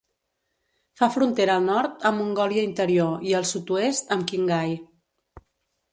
Fa frontera al nord amb Mongòlia interior i al sud-oest amb Qinghai.